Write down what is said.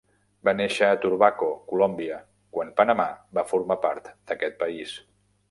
Va néixer a Turbaco, Colòmbia, quan Panamà va formar part d'aquest país.